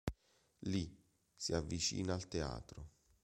Lì, si avvicina al teatro.